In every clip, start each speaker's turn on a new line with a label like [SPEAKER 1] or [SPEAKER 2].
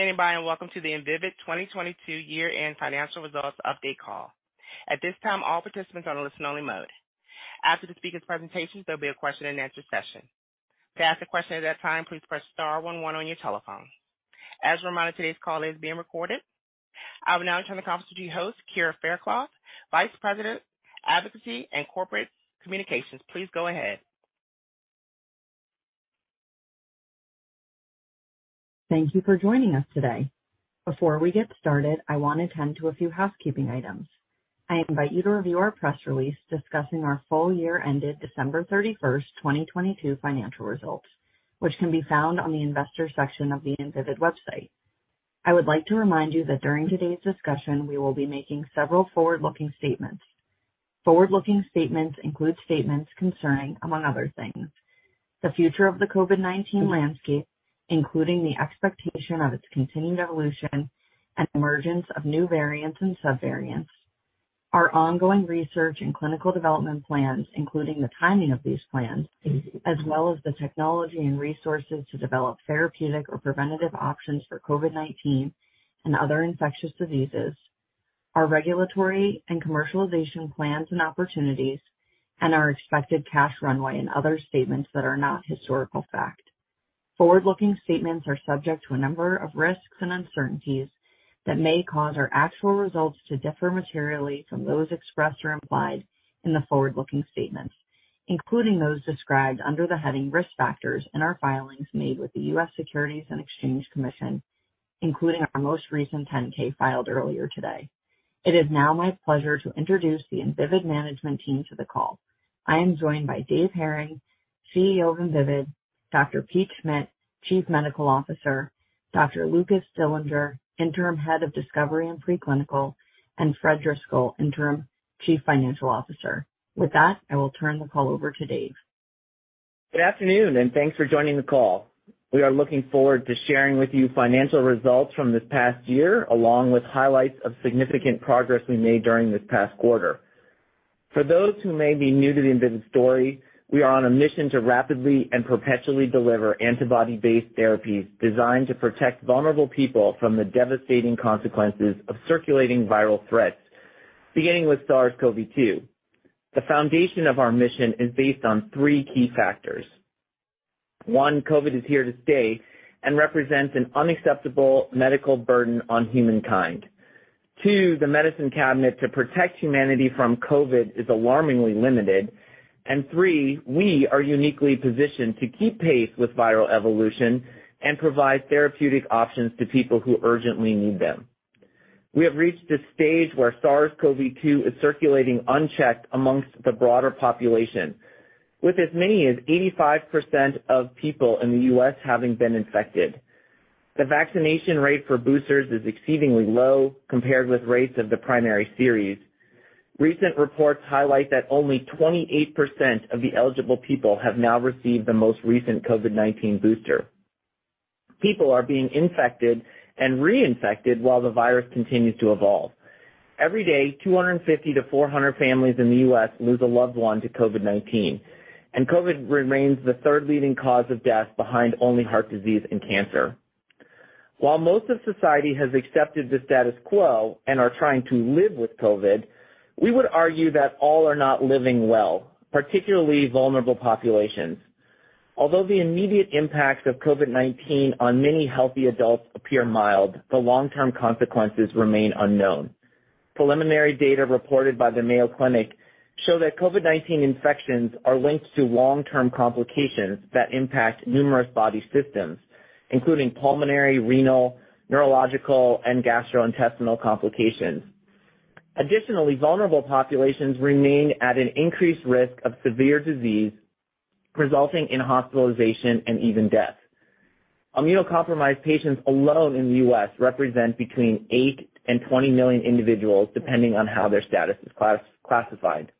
[SPEAKER 1] Thank you for standing by. Welcome to the Invivyd 2022 year-end financial results update call. At this time, all participants are on a listen-only mode. After the speaker's presentation, there'll be a question and answer session. To ask a question at that time, please press star one one on your telephone. As a reminder, today's call is being recorded. I will now turn the conference to your host, Kyra Faircloth, Vice President, Advocacy and Corporate Communications. Please go ahead.
[SPEAKER 2] Thank you for joining us today. Before we get started, I wanna attend to a few housekeeping items. I invite you to review our press release discussing our full year ended December 31, 2022 financial results, which can be found on the investor section of the Invivyd website. I would like to remind you that during today's discussion, we will be making several forward-looking statements. Forward-looking statements include statements concerning, among other things, the future of the COVID-19 landscape, including the expectation of its continued evolution and emergence of new variants and sub-variants, our ongoing research and clinical development plans, including the timing of these plans, as well as the technology and resources to develop therapeutic or preventative options for COVID-19 and other infectious diseases, our regulatory and commercialization plans and opportunities, and our expected cash runway and other statements that are not historical fact. Forward-looking statements are subject to a number of risks and uncertainties that may cause our actual results to differ materially from those expressed or implied in the forward-looking statements, including those described under the heading Risk Factors in our filings made with the US Securities and Exchange Commission, including our most recent 10-K filed earlier today. It is now my pleasure to introduce the Invivyd management team to the call. I am joined by Dave Hering, CEO of Invivyd, Dr. Pete Schmidt, Chief Medical Officer, Lukas Dillinger, Interim Head of Discovery and Preclinical, and Fred Driscoll, Interim Chief Financial Officer. With that, I will turn the call over to Dave.
[SPEAKER 3] Good afternoon, and thanks for joining the call. We are looking forward to sharing with you financial results from this past year, along with highlights of significant progress we made during this past quarter. For those who may be new to the Invivyd story, we are on a mission to rapidly and perpetually deliver antibody-based therapies designed to protect vulnerable people from the devastating consequences of circulating viral threats, beginning with SARS-CoV-2. The foundation of our mission is based on three key factors. One, COVID is here to stay and represents an unacceptable medical burden on humankind. Two, the medicine cabinet to protect humanity from COVID is alarmingly limited. Three, we are uniquely positioned to keep pace with viral evolution and provide therapeutic options to people who urgently need them. We have reached a stage where SARS-CoV-2 is circulating unchecked amongst the broader population. With as many as 85% of people in the U.S. having been infected, the vaccination rate for boosters is exceedingly low compared with rates of the primary series. Recent reports highlight that only 28% of the eligible people have now received the most recent COVID-19 booster. People are being infected and reinfected while the virus continues to evolve. Every day, 250-400 families in the U.S. lose a loved one to COVID-19, and COVID remains the third leading cause of death behind only heart disease and cancer. While most of society has accepted the status quo and are trying to live with COVID, we would argue that all are not living well, particularly vulnerable populations. Although the immediate impacts of COVID-19 on many healthy adults appear mild, the long-term consequences remain unknown. Preliminary data reported by the Mayo Clinic show that COVID-19 infections are linked to long-term complications that impact numerous body systems, including pulmonary, renal, neurological, and gastrointestinal complications. Vulnerable populations remain at an increased risk of severe disease, resulting in hospitalization and even death. Immunocompromised patients alone in the U.S. represent between eight and 20 million individuals, depending on how their status is classified.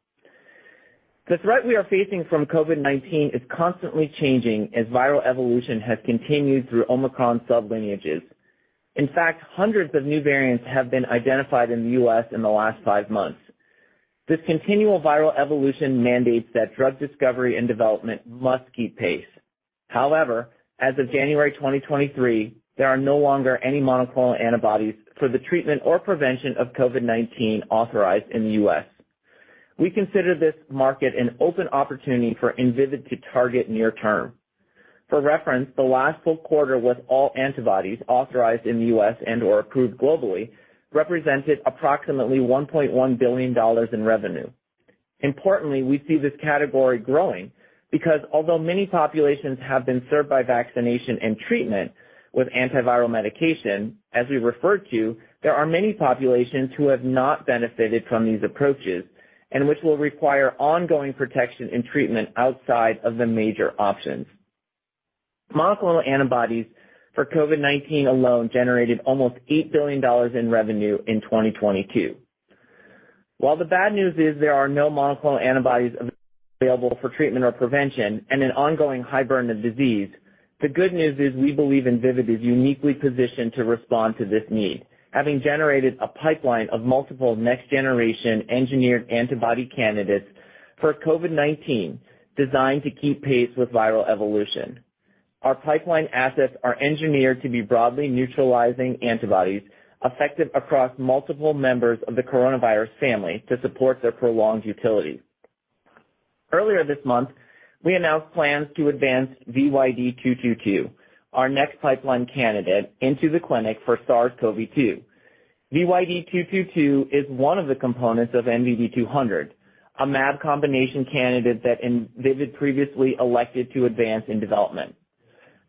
[SPEAKER 3] The threat we are facing from COVID-19 is constantly changing as viral evolution has continued through Omicron sub lineages. Hundreds of new variants have been identified in the U.S. in the last five months. This continual viral evolution mandates that drug discovery and development must keep pace. As of January 2023, there are no longer any monoclonal antibodies for the treatment or prevention of COVID-19 authorized in the U.S. We consider this market an open opportunity for Invivyd to target near term. For reference, the last full quarter with all antibodies authorized in the US and/or approved globally represented approximately $1.1 billion in revenue. Importantly, we see this category growing because although many populations have been served by vaccination and treatment with antiviral medication, as we referred to, there are many populations who have not benefited from these approaches and which will require ongoing protection and treatment outside of the major options. Monoclonal antibodies for COVID-19 alone generated almost $8 billion in revenue in 2022. The bad news is there are no monoclonal antibodies available for treatment or prevention and an ongoing high burden of disease, the good news is we believe Invivyd is uniquely positioned to respond to this need, having generated a pipeline of multiple next-generation engineered antibody candidates for COVID-19 designed to keep pace with viral evolution. Our pipeline assets are engineered to be broadly neutralizing antibodies effective across multiple members of the coronavirus family to support their prolonged utility. Earlier this month, we announced plans to advance VYD-222, our next pipeline candidate into the clinic for SARS-CoV-2. VYD-222 is one of the components of NVD200, a mAb combination candidate that Invivyd previously elected to advance in development.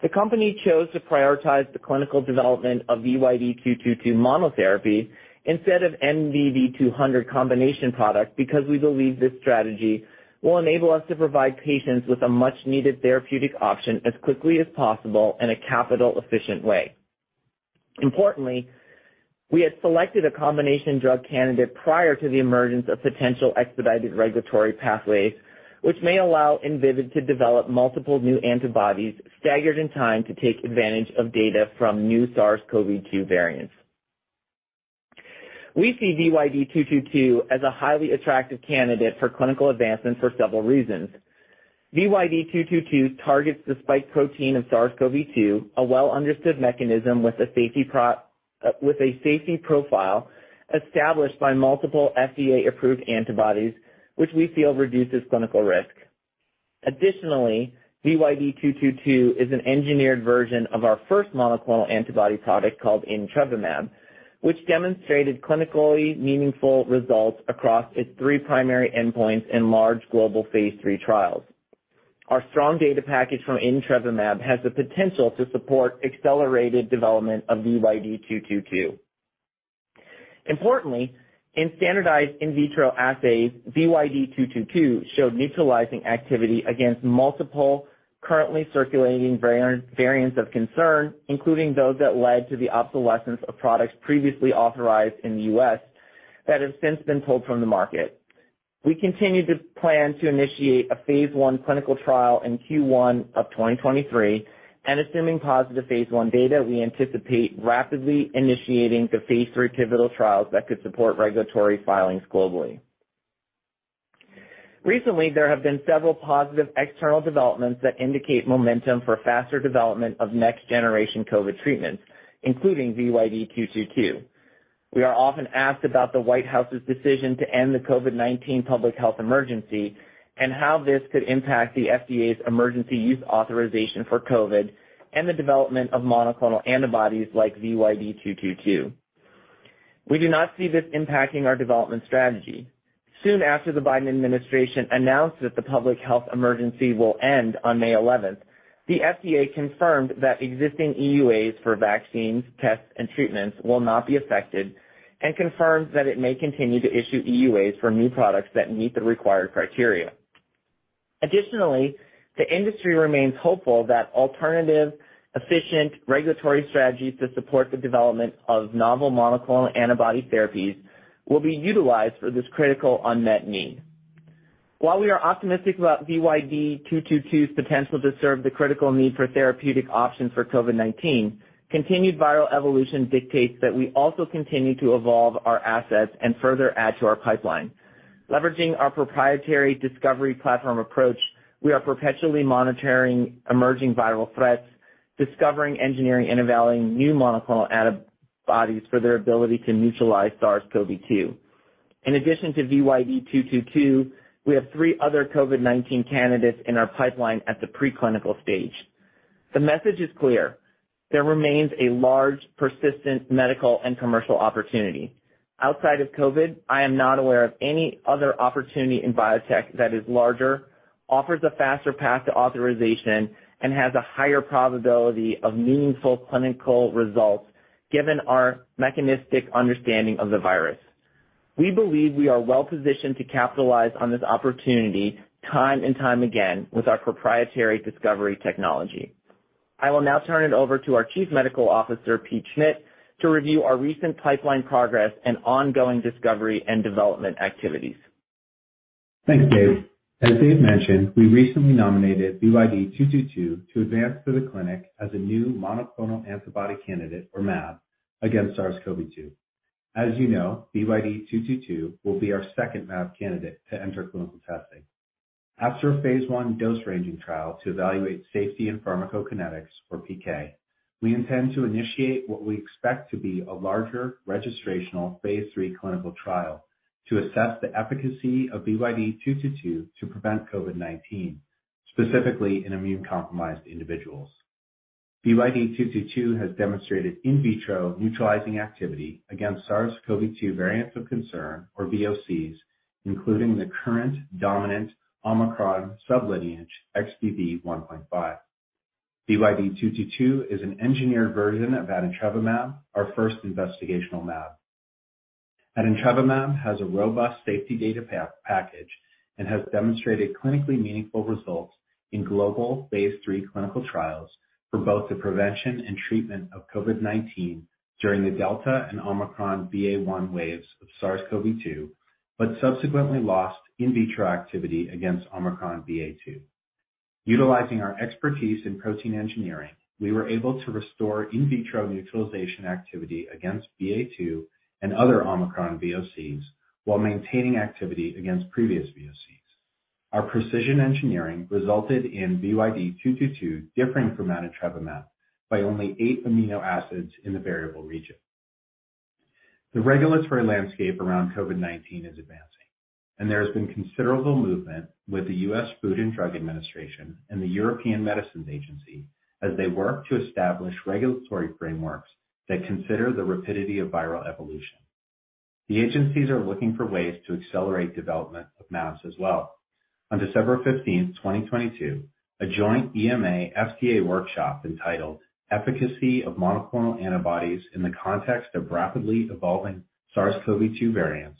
[SPEAKER 3] The company chose to prioritize the clinical development of VYD-222 monotherapy instead of NVD200 combination product because we believe this strategy will enable us to provide patients with a much-needed therapeutic option as quickly as possible in a capital efficient way. Importantly, we had selected a combination drug candidate prior to the emergence of potential expedited regulatory pathways, which may allow Invivyd to develop multiple new antibodies staggered in time to take advantage of data from new SARS-CoV-2 variants. We see VYD-222 as a highly attractive candidate for clinical advancement for several reasons. VYD-222 targets the spike protein of SARS-CoV-2, a well understood mechanism with a safety profile established by multiple FDA-approved antibodies, which we feel reduces clinical risk. VYD-222 is an engineered version of our first monoclonal antibody product called adintrevimab, which demonstrated clinically meaningful results across its 3 primary endpoints in large global phase 3 trials. Our strong data package from adintrevimab has the potential to support accelerated development of VYD-222. In standardized in vitro assays, VYD-222 showed neutralizing activity against multiple currently circulating variants of concern, including those that led to the obsolescence of products previously authorized in the U.S. that have since been pulled from the market. We continue to plan to initiate a phase 1 clinical trial in Q1 of 2023 and assuming positive phase 1 data, we anticipate rapidly initiating the phase 3 pivotal trials that could support regulatory filings globally. There have been several positive external developments that indicate momentum for faster development of next generation COVID treatments, including VYD-222. We are often asked about the White House's decision to end the COVID-19 public health emergency and how this could impact the FDA's emergency use authorization for COVID and the development of monoclonal antibodies like VYD-222. We do not see this impacting our development strategy. Soon after the Biden administration announced that the public health emergency will end on May 11th, the FDA confirmed that existing EUAs for vaccines, tests, and treatments will not be affected and confirms that it may continue to issue EUAs for new products that meet the required criteria. Additionally, the industry remains hopeful that alternative efficient regulatory strategies to support the development of novel monoclonal antibody therapies will be utilized for this critical unmet need. While we are optimistic about VYD-222's potential to serve the critical need for therapeutic options for COVID-19, continued viral evolution dictates that we also continue to evolve our assets and further add to our pipeline. Leveraging our proprietary discovery platform approach, we are perpetually monitoring emerging viral threats, discovering engineering and evaluating new monoclonal antibodies for their ability to neutralize SARS-CoV-2. In addition to VYD-222, we have three other COVID-19 candidates in our pipeline at the preclinical stage. The message is clear. There remains a large persistent medical and commercial opportunity. Outside of COVID, I am not aware of any other opportunity in biotech that is larger, offers a faster path to authorization, and has a higher probability of meaningful clinical results given our mechanistic understanding of the virus. We believe we are well-positioned to capitalize on this opportunity time and time again with our proprietary discovery technology. I will now turn it over to our Chief Medical Officer, Pete Schmidt, to review our recent pipeline progress and ongoing discovery and development activities.
[SPEAKER 4] Thanks, Dave. As Dave mentioned, we recently nominated VYD-222 to advance to the clinic as a new monoclonal antibody candidate or mAb against SARS-CoV-2. As you know, VYD-222 will be our second mAb candidate to enter clinical testing. After a phase I dose-ranging trial to evaluate safety and pharmacokinetics for PK, we intend to initiate what we expect to be a larger registrational phase III clinical trial to assess the efficacy of VYD-222 to prevent COVID-19, specifically in immune-compromised individuals. VYD-222 has demonstrated in vitro neutralizing activity against SARS-CoV-2 variants of concern or VOCs, including the current dominant Omicron sub-lineage XBB.1.5. VYD-222 is an engineered version of adintrevimab, our first investigational mAb. adintrevimab has a robust safety data package and has demonstrated clinically meaningful results in global phase 3 clinical trials for both the prevention and treatment of COVID-19 during the Delta and Omicron BA.1 waves of SARS-CoV-2, but subsequently lost in vitro activity against Omicron BA.2. Utilizing our expertise in protein engineering, we were able to restore in vitro neutralization activity against BA.2 and other Omicron VOCs while maintaining activity against previous VOCs. Our precision engineering resulted in VYD-222 differing from adintrevimab by only eight amino acids in the variable region. The regulatory landscape around COVID-19 is advancing, and there has been considerable movement with the US Food and Drug Administration and the European Medicines Agency as they work to establish regulatory frameworks that consider the rapidity of viral evolution. The agencies are looking for ways to accelerate development of mAbs as well. On December 15, 2022, a joint EMA FDA workshop entitled Efficacy of Monoclonal Antibodies in the Context of Rapidly Evolving SARS-CoV-2 Variants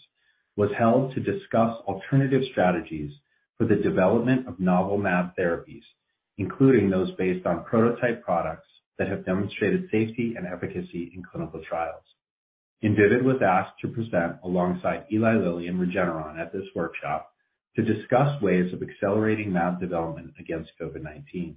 [SPEAKER 4] was held to discuss alternative strategies for the development of novel mAb therapies, including those based on prototype products that have demonstrated safety and efficacy in clinical trials. Invivyd was asked to present alongside Eli Lilly and Regeneron at this workshop to discuss ways of accelerating mAb development against COVID-19.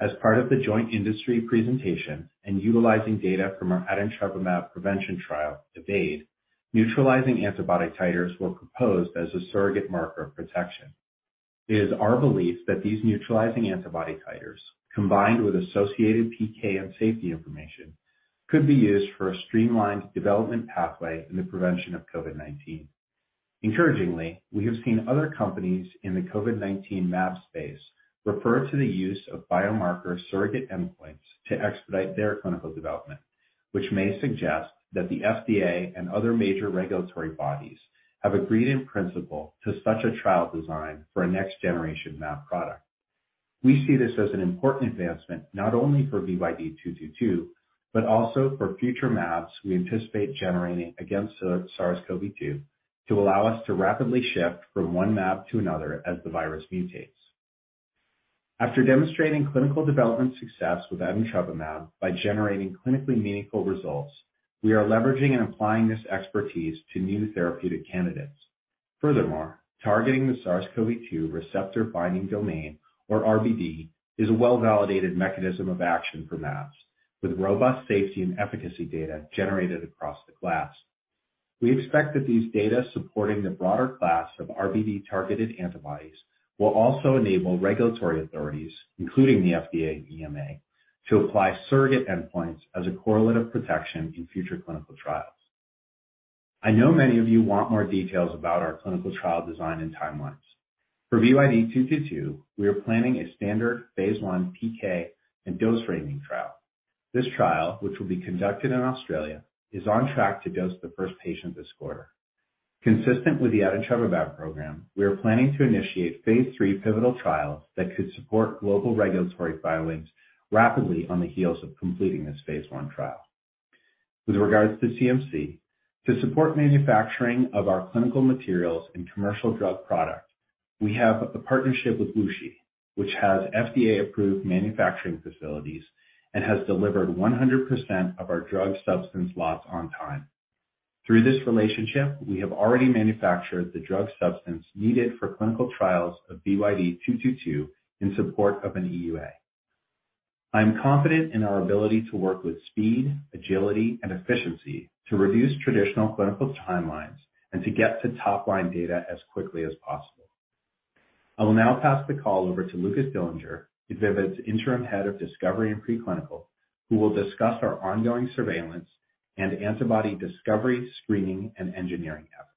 [SPEAKER 4] As part of the joint industry presentation and utilizing data from our adintrevimab prevention trial, EVADE, neutralizing antibody titers were proposed as a surrogate marker of protection. It is our belief that these neutralizing antibody titers, combined with associated PK and safety information, could be used for a streamlined development pathway in the prevention of COVID-19. Encouragingly, we have seen other companies in the COVID-19 mAb space refer to the use of biomarker surrogate endpoints to expedite their clinical development, which may suggest that the FDA and other major regulatory bodies have agreed in principle to such a trial design for a next-generation mAb product. We see this as an important advancement not only for VYD-222, but also for future mAbs we anticipate generating against the SARS-CoV-2 to allow us to rapidly shift from one mAb to another as the virus mutates. After demonstrating clinical development success with adintrevimab by generating clinically meaningful results, we are leveraging and applying this expertise to new therapeutic candidates. Furthermore, targeting the SARS-CoV-2 receptor binding domain or RBD is a well-validated mechanism of action for mAbs, with robust safety and efficacy data generated across the class. We expect that these data supporting the broader class of RBD-targeted antibodies will also enable regulatory authorities, including the FDA and EMA, to apply surrogate endpoints as a correlative protection in future clinical trials. I know many of you want more details about our clinical trial design and timelines. For VYD-222, we are planning a standard phase 1 PK and dose ranging trial. This trial, which will be conducted in Australia, is on track to dose the first patient this quarter. Consistent with the adintrevimab program, we are planning to initiate phase 3 pivotal trials that could support global regulatory filings rapidly on the heels of completing this phase 1 trial. With regards to CMC, to support manufacturing of our clinical materials and commercial drug product, we have a partnership with WuXi Biologics, which has FDA-approved manufacturing facilities and has delivered 100% of our drug substance lots on time. Through this relationship, we have already manufactured the drug substance needed for clinical trials of VYD-222 in support of an EUA. I am confident in our ability to work with speed, agility, and efficiency to reduce traditional clinical timelines and to get to top-line data as quickly as possible. I will now pass the call over to Lukas Dillinger, Invivyd's Interim Head of Discovery and Preclinical, who will discuss our ongoing surveillance and antibody discovery, screening, and engineering efforts.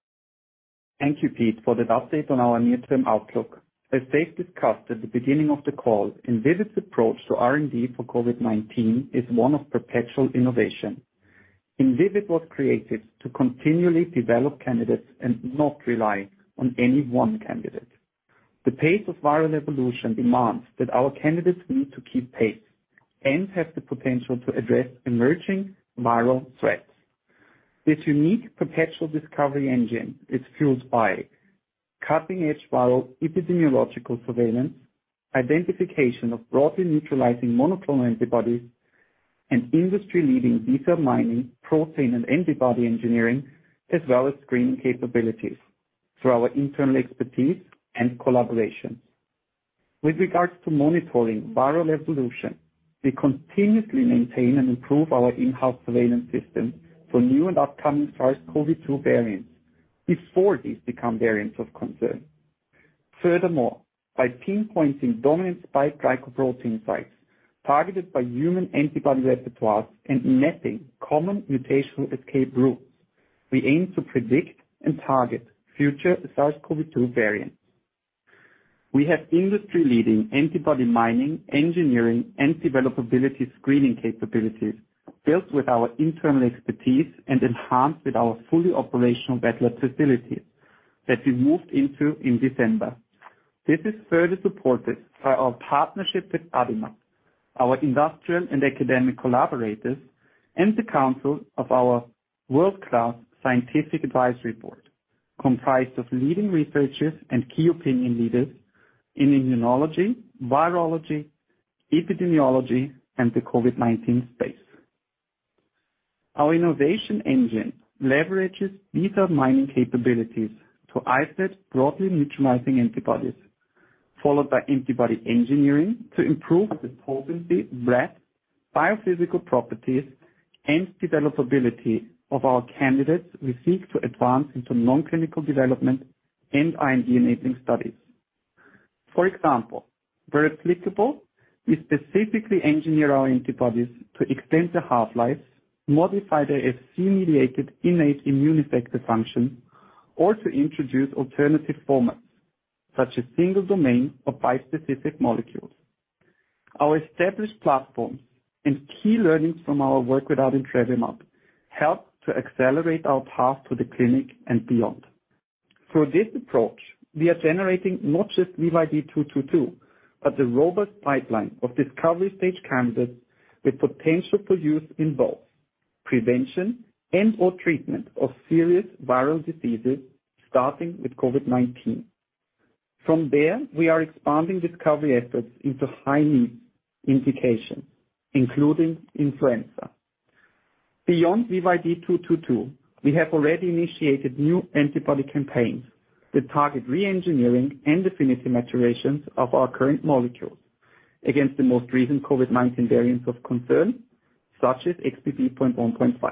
[SPEAKER 5] Thank you, Pete, for that update on our near-term outlook. As Dave discussed at the beginning of the call, Invivyd's approach to R&D for COVID-19 is one of perpetual innovation. Invivyd was created to continually develop candidates and not rely on any one candidate. The pace of viral evolution demands that our candidates need to keep pace and have the potential to address emerging viral threats. This unique perpetual discovery engine is fueled by cutting-edge viral epidemiological surveillance, identification of broadly neutralizing monoclonal antibodies, and industry-leading data mining, protein and antibody engineering, as well as screening capabilities through our internal expertise and collaboration. With regards to monitoring viral evolution, we continuously maintain and improve our in-house surveillance system for new and upcoming SARS-CoV-2 variants before these become variants of concern. By pinpointing dominant spike glycoprotein sites targeted by human antibody repertoires and mapping common mutational escape rules, we aim to predict and target future SARS-CoV-2 variants. We have industry-leading antibody mining, engineering, and developability screening capabilities built with our internal expertise and enhanced with our fully operational wet lab facility that we moved into in December. This is further supported by our partnership with Adimab, our industrial and academic collaborators, and the council of our world-class scientific advisory board, comprised of leading researchers and key opinion leaders in immunology, virology, epidemiology, and the COVID-19 space. Our innovation engine leverages data mining capabilities to isolate broadly neutralizing antibodies. Followed by antibody engineering to improve the potency, breadth, biophysical properties, and developability of our candidates we seek to advance into non-clinical development and IND-enabling studies. For example, where applicable, we specifically engineer our antibodies to extend the half-life, modify their Fc-mediated innate immune effector function, or to introduce alternative formats such as single domain or bispecific molecules. Our established platform and key learnings from our work with adintrevimab help to accelerate our path to the clinic and beyond. Through this approach, we are generating not just VYD-222, but a robust pipeline of discovery-stage candidates with potential for use in both prevention and or treatment of serious viral diseases, starting with COVID-19. From there, we are expanding discovery efforts into high-need indications, including influenza. Beyond VYD-222, we have already initiated new antibody campaigns that target reengineering and affinity maturation of our current molecules against the most recent COVID-19 variants of concern, such as XBB.1.5.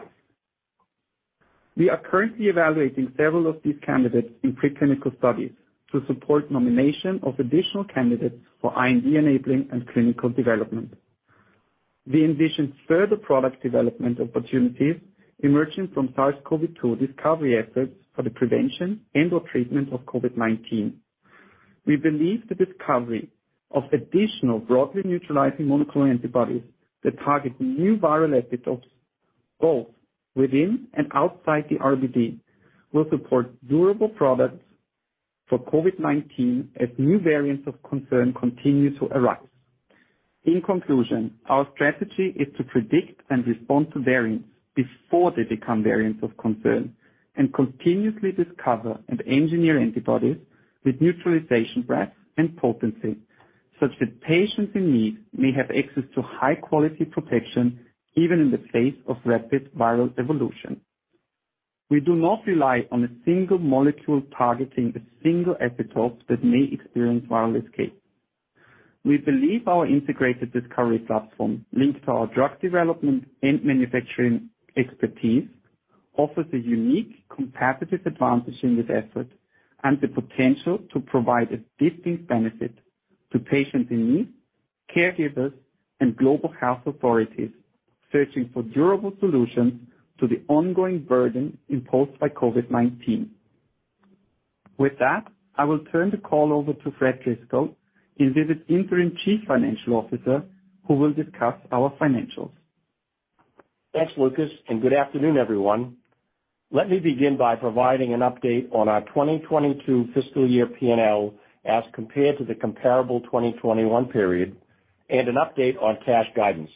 [SPEAKER 5] We are currently evaluating several of these candidates in preclinical studies to support nomination of additional candidates for IND-enabling and clinical development. We envision further product development opportunities emerging from SARS-CoV-2 discovery efforts for the prevention and or treatment of COVID-19. We believe the discovery of additional broadly neutralizing monoclonal antibodies that target new viral epitopes, both within and outside the RBD, will support durable products for COVID-19 as new variants of concern continue to arise. In conclusion, our strategy is to predict and respond to variants before they become variants of concern and continuously discover and engineer antibodies with neutralization breadth and potency, such that patients in need may have access to high-quality protection even in the face of rapid viral evolution. We do not rely on a single molecule targeting a single epitope that may experience viral escape. We believe our integrated discovery platform, linked to our drug development and manufacturing expertise, offers a unique competitive advantage in this effort and the potential to provide a distinct benefit to patients in need, caregivers, and global health authorities searching for durable solutions to the ongoing burden imposed by COVID-19. With that, I will turn the call over to Fred Driscoll, Invivyd's Interim Chief Financial Officer, who will discuss our financials.
[SPEAKER 6] Thanks, Lukas, good afternoon, everyone. Let me begin by providing an update on our 2022 fiscal year P&L as compared to the comparable 2021 period and an update on cash guidance.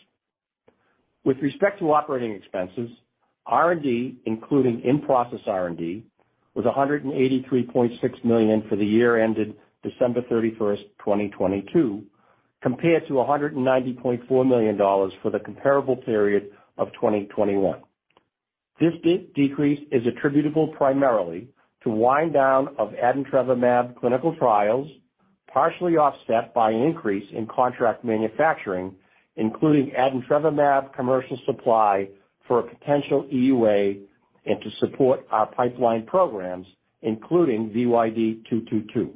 [SPEAKER 6] With respect to operating expenses, R&D, including in-process R&D, was $183.6 million for the year ended December 31st, 2022, compared to $190.4 million for the comparable period of 2021. This decrease is attributable primarily to wind down of adintrevimab clinical trials, partially offset by an increase in contract manufacturing, including adintrevimab commercial supply for a potential EUA and to support our pipeline programs, including VYD-222.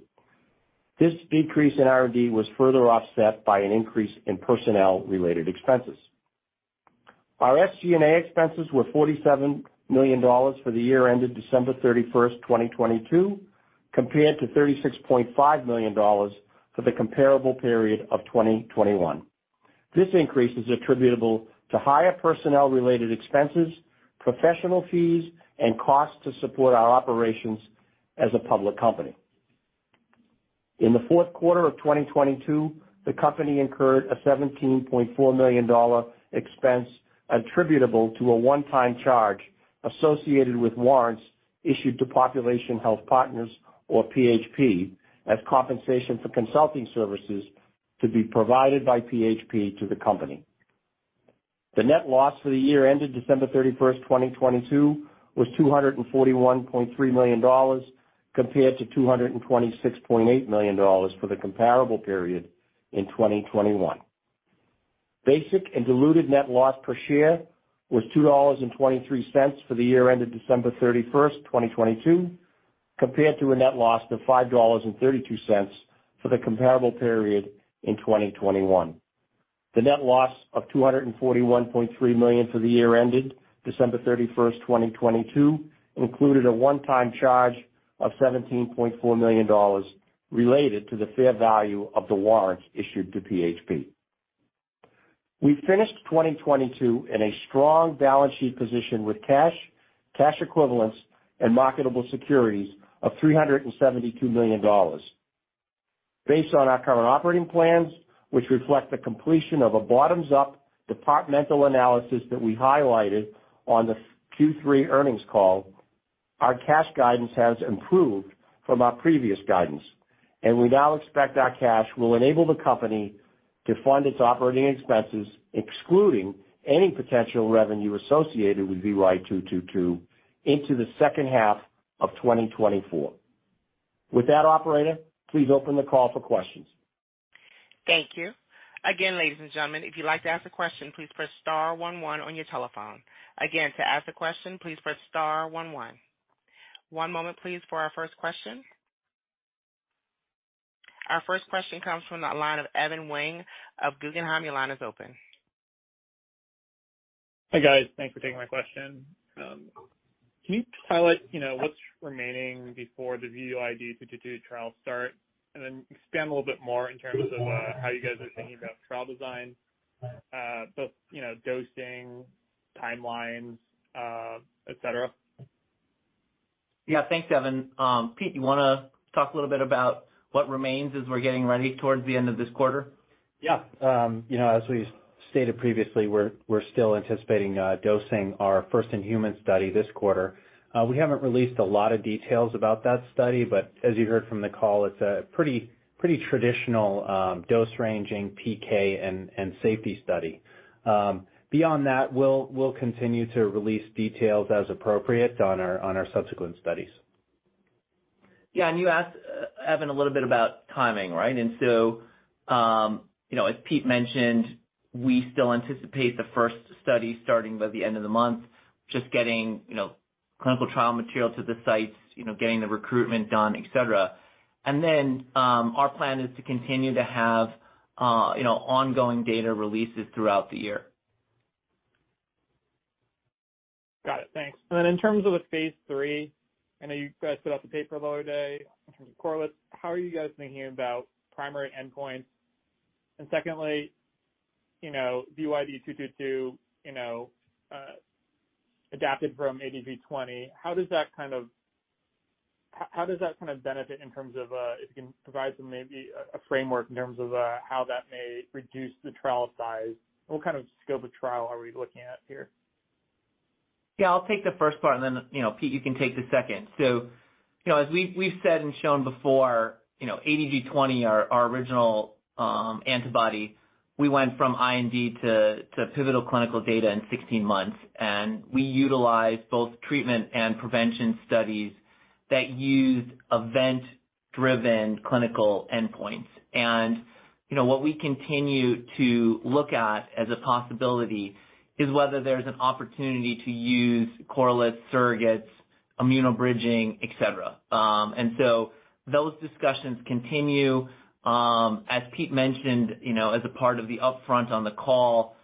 [SPEAKER 6] This decrease in R&D was further offset by an increase in personnel-related expenses. Our SG&A expenses were $47 million for the year ended December 31, 2022, compared to $36.5 million for the comparable period of 2021. This increase is attributable to higher personnel-related expenses, professional fees, and costs to support our operations as a public company. In the fourth quarter of 2022, the company incurred a $17.4 million expense attributable to a one-time charge associated with warrants issued to Population Health Partners, or PHP, as compensation for consulting services to be provided by PHP to the company. The net loss for the year ended December 31, 2022, was $241.3 million, compared to $226.8 million for the comparable period in 2021. Basic and diluted net loss per share was $2.23 for the year ended December 31, 2022, compared to a net loss of $5.32 for the comparable period in 2021. The net loss of $241.3 million for the year ended December 31, 2022, included a one-time charge of $17.4 million related to the fair value of the warrants issued to PHP. We finished 2022 in a strong balance sheet position with cash equivalents, and marketable securities of $372 million. Based on our current operating plans, which reflect the completion of a bottoms-up departmental analysis that we highlighted on the Q3 earnings call, our cash guidance has improved from our previous guidance, and we now expect our cash will enable the company to fund its operating expenses, excluding any potential revenue associated with VYD-222. Into the second half of 2024. With that, operator, please open the call for questions.
[SPEAKER 1] Thank you. Again, ladies and gentlemen, if you'd like to ask a question, please press star one one on your telephone. Again, to ask a question, please press star one one. One moment please for our first question. Our first question comes from the line of Evan Wang of Guggenheim. Your line is open.
[SPEAKER 7] Hi, guys. Thanks for taking my question. Can you highlight, you know, what's remaining before the VYD-222 trial start? Expand a little bit more in terms of how you guys are thinking about trial design, both, you know, dosing, timelines, et cetera.
[SPEAKER 3] Yeah. Thanks, Evan. Pete, you wanna talk a little bit about what remains as we're getting ready towards the end of this quarter?
[SPEAKER 4] You know, as we stated previously, we're still anticipating dosing our first in-human study this quarter. We haven't released a lot of details about that study, but as you heard from the call, it's a pretty traditional dose ranging PK and safety study. Beyond that, we'll continue to release details as appropriate on our subsequent studies.
[SPEAKER 3] Yeah. You asked Evan, a little bit about timing, right? You know, as Pete mentioned, we still anticipate the first study starting by the end of the month, just getting, you know, clinical trial material to the sites, you know, getting the recruitment done, et cetera. Our plan is to continue to have, you know, ongoing data releases throughout the year.
[SPEAKER 7] Got it. Thanks. In terms of the Phase 3, I know you guys put out the paper the other day in terms of correlates. How are you guys thinking about primary endpoints? Secondly, you know, VYD-222, you know, adapted from ADG20, how does that kind of benefit in terms of, if you can provide some maybe a framework in terms of, how that may reduce the trial size? What kind of scope of trial are we looking at here?
[SPEAKER 3] Yeah, I'll take the first part and then, you know, Pete, you can take the second. You know, ADG20, our original antibody, we went from IND to pivotal clinical data in 16 months. We utilized both treatment and prevention studies that used event-driven clinical endpoints. You know, what we continue to look at as a possibility is whether there's an opportunity to use correlates surrogates, immunobridging, et cetera. Those discussions continue. As Pete mentioned, you know, as a part of the upfront on the call,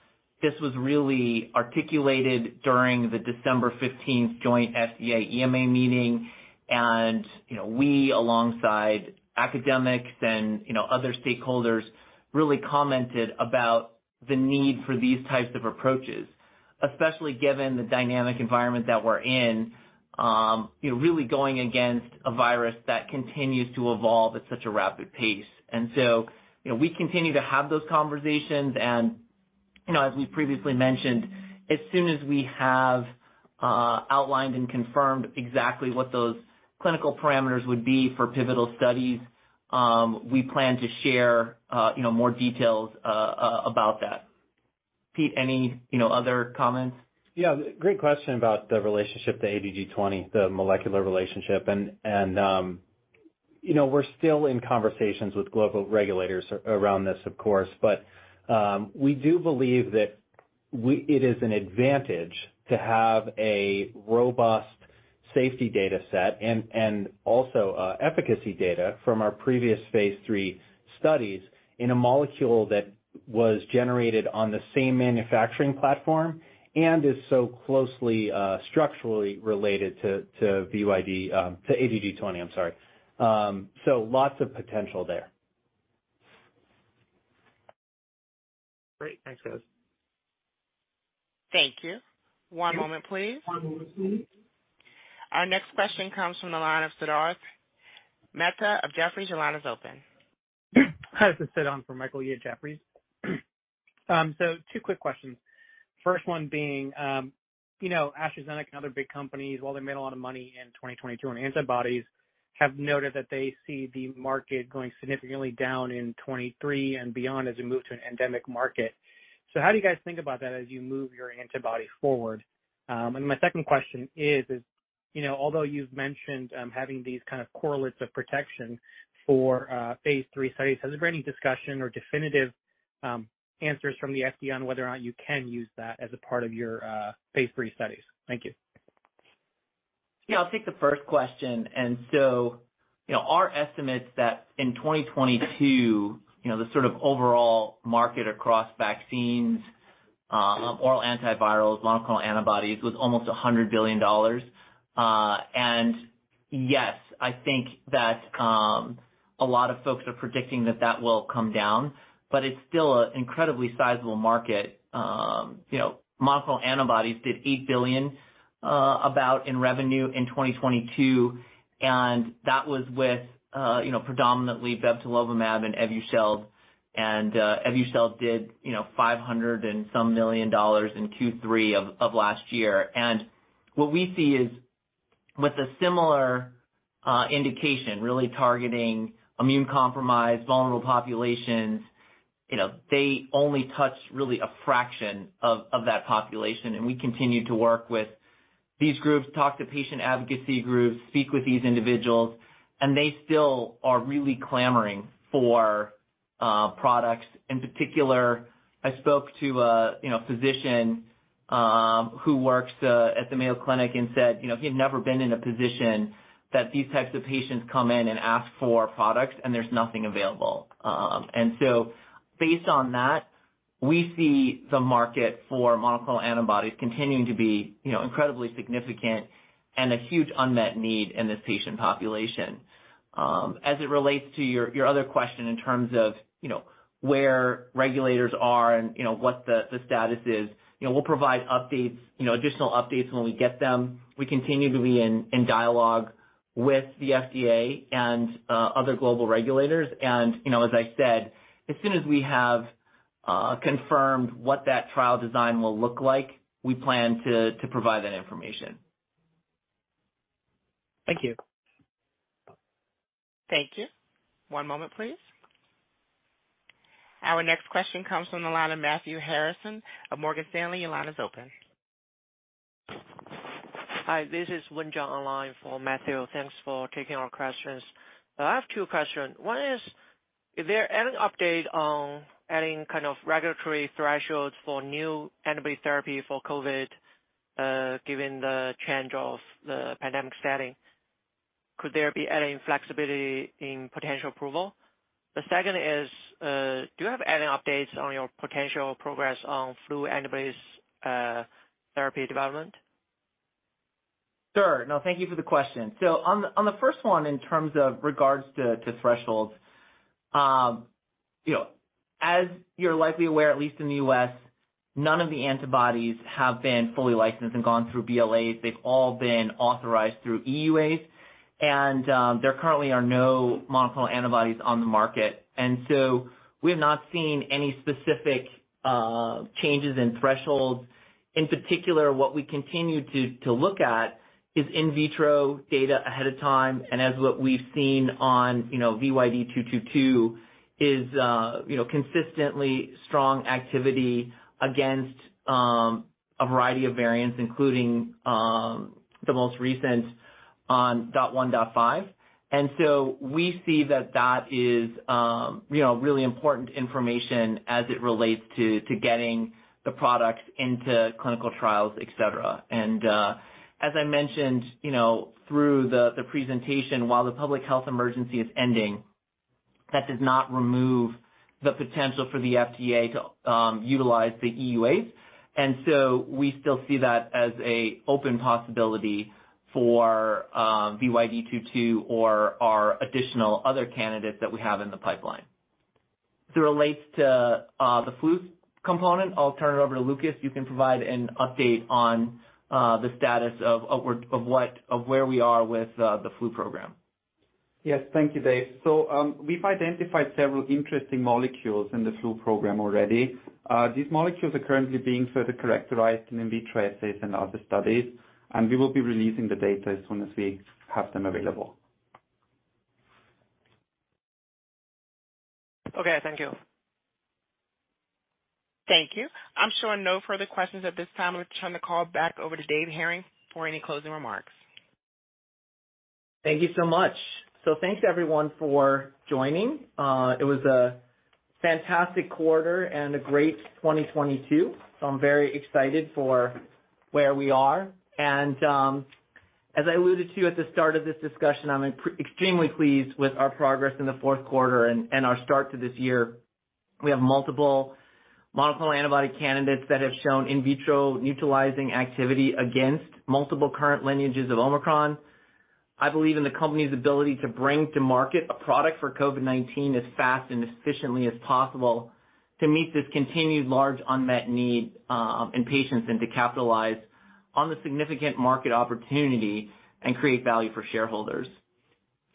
[SPEAKER 3] this was really articulated during the December 15th joint FDA EMA meeting. You know, we alongside academics and, you know, other stakeholders really commented about the need for these types of approaches, especially given the dynamic environment that we're in, you know, really going against a virus that continues to evolve at such a rapid pace. You know, we continue to have those conversations and, you know, as we previously mentioned, as soon as we have outlined and confirmed exactly what those clinical parameters would be for pivotal studies, we plan to share, you know, more details about that. Pete, any, you know, other comments?
[SPEAKER 4] Yeah. Great question about the relationship to ADG20, the molecular relationship. You know, we're still in conversations with global regulators around this, of course. It is an advantage to have a robust safety data set and also efficacy data from our previous phase 3 studies in a molecule that was generated on the same manufacturing platform and is so closely structurally related to VYD, to ADG20, I'm sorry. Lots of potential there.
[SPEAKER 7] Great. Thanks, guys.
[SPEAKER 1] Thank you. One moment please. Our next question comes from the line of Sidharth Mehta of Jefferies. Your line is open.
[SPEAKER 8] This is Sidharth for Michael Yee at Jefferies. Two quick questions. First one being, you know, AstraZeneca and other big companies, while they made a lot of money in 2022 on antibodies, have noted that they see the market going significantly down in 2023 and beyond as we move to an endemic market. How do you guys think about that as you move your antibody forward? My second question is, you know, although you've mentioned having these kind of correlates of protection for phase 3 studies, has there been any discussion or definitive answers from the FDA on whether or not you can use that as a part of your phase 3 studies? Thank you.
[SPEAKER 3] Yeah, I'll take the first question. You know, our estimates that in 2022, you know, the sort of overall market across vaccines, oral antivirals, monoclonal antibodies was almost $100 billion. Yes, I think that a lot of folks are predicting that that will come down, but it's still an incredibly sizable market. You know, monoclonal antibodies did $8 billion about in revenue in 2022, and that was with, you know, predominantly bebtelovimab and Evusheld. Evusheld did, you know, $500 million and some dollars in Q3 of last year. What we see is with a similar indication, really targeting immune-compromised, vulnerable populations. You know, they only touch really a fraction of that population, and we continue to work with these groups, talk to patient advocacy groups, speak with these individuals, and they still are really clamoring for products. In particular, I spoke to a, you know, physician, who works at the Mayo Clinic and said, you know, he had never been in a position that these types of patients come in and ask for products and there's nothing available. Based on that, we see the market for monoclonal antibodies continuing to be, you know, incredibly significant and a huge unmet need in this patient population. As it relates to your other question in terms of, you know, where regulators are and, you know, what the status is, you know, we'll provide updates, you know, additional updates when we get them. We continue to be in dialogue with the FDA and other global regulators. You know, as I said, as soon as we have confirmed what that trial design will look like, we plan to provide that information.
[SPEAKER 8] Thank you.
[SPEAKER 1] Thank you. One moment, please. Our next question comes from the line of Matthew Harrison of Morgan Stanley. Your line is open.
[SPEAKER 9] Hi, this is Win Zhang online for Matthew. Thanks for taking our questions. I have two questions. One is there any update on adding kind of regulatory thresholds for new antibody therapy for COVID-19, given the change of the pandemic setting? Could there be any flexibility in potential approval? The second is, do you have any updates on your potential progress on flu antibodies, therapy development?
[SPEAKER 3] Sure. No, thank you for the question. On the first one, in terms of regards to thresholds, you know, as you're likely aware, at least in the U.S., none of the antibodies have been fully licensed and gone through BLAs. They've all been authorized through EUAs. There currently are no monoclonal antibodies on the market. We have not seen any specific changes in thresholds. In particular, what we continue to look at is in vitro data ahead of time, and as what we've seen on, you know, VYD-222 is, you know, consistently strong activity against a variety of variants, including XBB.1.5. We see that that is, you know, really important information as it relates to getting the products into clinical trials, et cetera. As I mentioned, you know, through the presentation, while the public health emergency is ending, that does not remove the potential for the FDA to utilize the EUAs. We still see that as a open possibility for VYD-222 or our additional other candidates that we have in the pipeline. As it relates to the flu component, I'll turn it over to Lukas. You can provide an update on the status of where, of what, of where we are with the flu program.
[SPEAKER 5] Yes. Thank you, Dave. We've identified several interesting molecules in the flu program already. These molecules are currently being further characterized in in vitro assays and other studies, and we will be releasing the data as soon as we have them available.
[SPEAKER 9] Okay. Thank you.
[SPEAKER 1] Thank you. I'm showing no further questions at this time. Let's turn the call back over to Dave Hering for any closing remarks.
[SPEAKER 3] Thank you so much. Thanks everyone for joining. It was a fantastic quarter and a great 2022. I'm very excited for where we are. As I alluded to at the start of this discussion, I'm extremely pleased with our progress in the fourth quarter and our start to this year. We have multiple monoclonal antibody candidates that have shown in vitro neutralizing activity against multiple current lineages of Omicron. I believe in the company's ability to bring to market a product for COVID-19 as fast and efficiently as possible to meet this continued large unmet need in patients and to capitalize on the significant market opportunity and create value for shareholders.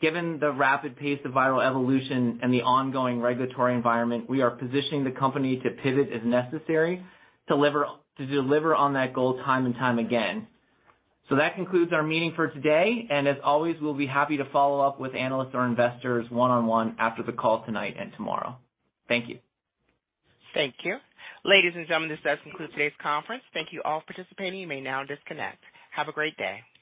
[SPEAKER 3] Given the rapid pace of viral evolution and the ongoing regulatory environment, we are positioning the company to pivot as necessary to deliver on that goal time and time again. That concludes our meeting for today, and as always, we'll be happy to follow up with analysts or investors one-on-one after the call tonight and tomorrow. Thank you.
[SPEAKER 1] Thank you. Ladies and gentlemen, this does conclude today's conference. Thank you all for participating. You may now disconnect. Have a great day.